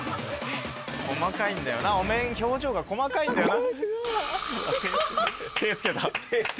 細かいんだよなお面表情が細かいんだよな。